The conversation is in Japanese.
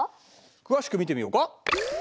詳しく見てみようか。